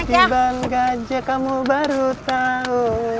ketiban gajah kamu baru tahu